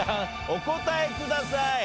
お答えください。